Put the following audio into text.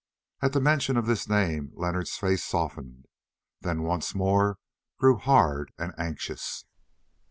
At the mention of this name Leonard's face softened, then once more grew hard and anxious.